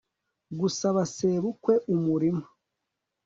gusaba sebukwe umurima